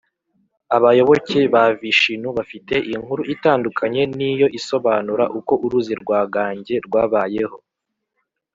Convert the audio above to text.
abayoboke ba vishinu bafite inkuru itandukanye n’iyo isobanura uko uruzi rwa gange rwabayeho.